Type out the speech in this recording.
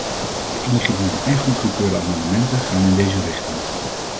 De ingediende en goedgekeurde amendementen gaan in deze richting.